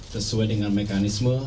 sesuai dengan mekanisme